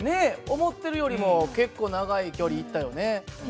思ってるよりも結構長い距離いったよね。